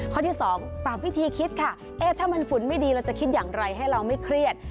ข้อที่๒ปรับวิธีคิดค่ะเอ๊ะถ้ามันฝุ่นไม่ดีเราจะคิดอย่างไรให้เราไม่เครียด